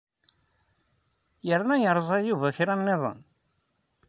Yerna yerẓa Yuba kra nniḍen?